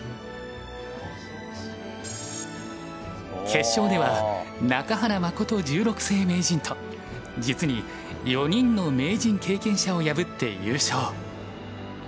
決勝では中原誠十六世名人と実に４人の名人経験者を破って優勝。